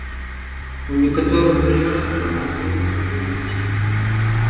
У некаторых раёнах прагназуецца невялікі снег.